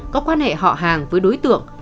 có quan hệ họ hàng với đối tượng